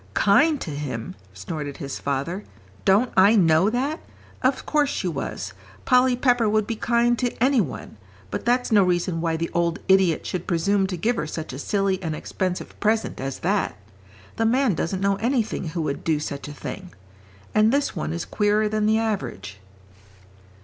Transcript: "Kind to him!" snorted his father, "don't I know that? Of course she was. Polly Pepper would be kind to any one. But that's no reason why the old idiot should presume to give her such a silly and expensive present as that. The man doesn't know anything who would do such a thing. And this one is queerer than the average."